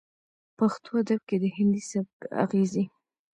پښتو ادب کې د هندي سبک اغېزې